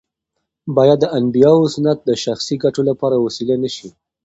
باید د انبیاوو سنت د شخصي ګټو لپاره وسیله نه شي.